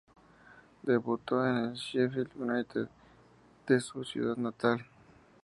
Debutó en el Sheffield United de su ciudad natal.